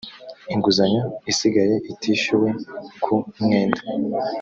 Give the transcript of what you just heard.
inguzanyo isigaye itishyuwe ku mwenda